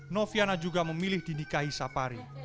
noviana juga memilih didikahi sapari